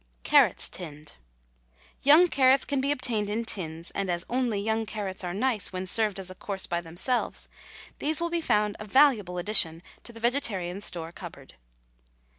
CARROTS, TINNED. Young carrots can be obtained in tins, and, as only young carrots are nice when served as a course by themselves, these will be found a valuable addition to the vegetarian store cupboard.